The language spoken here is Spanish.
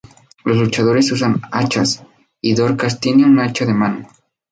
Los luchadores usan hachas, y Dorcas tiene un hacha de mano.